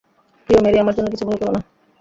প্রিয় মেরী, আমার জন্য কিছু ভয় করো না।